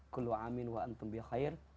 kulu amin wa antum bikhair